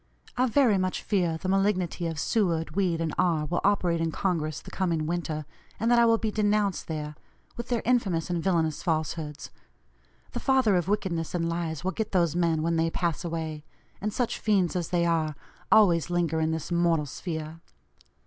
I very much fear the malignity of Seward, Weed, and R. will operate in Congress the coming winter, and that I will be denounced there, with their infamous and villanous falsehoods. The father of wickedness and lies will get those men when they 'pass away;' and such fiends as they are, always linger in this mortal sphere.